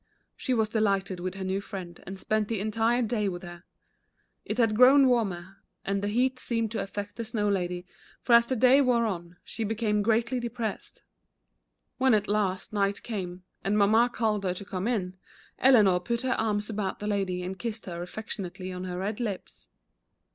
She was delighted with her new friend and spent the entire day with her. It had grown warmer, and the heat seemed to affect the Snow Lady, for as the day wore on, she became greatly depressed. When at last night came, and Mamma called her to come in, Eleanor put her arms about the Lady and kissed her affectionately on her red lips.